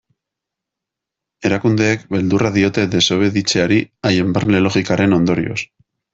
Erakundeek beldurra diote desobeditzeari, haien barne logikaren ondorioz.